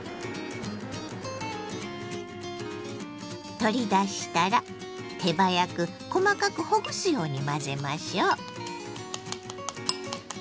取り出したら手早く細かくほぐすように混ぜましょう。